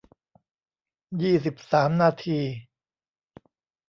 ยี่สิบสาม นาที